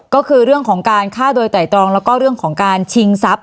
ก็คือเรื่องของการฆ่าโดยไตรตรองแล้วก็เรื่องของการชิงทรัพย